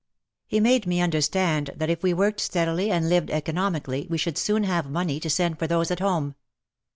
He made me understand that if we worked steadily and lived economically we should soon have money to send for those at home.